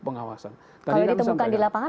pengawasan kalau ditemukan di lapangan